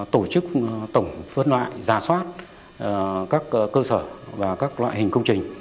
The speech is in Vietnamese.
tổ chức tổng phân loại ra soát các cơ sở và các loại hình công trình